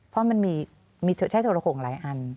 เพราะมันใช้ทะละโขงหลายอัน